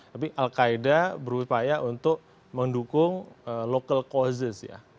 tapi al qaeda berupaya untuk mendukung local causes ya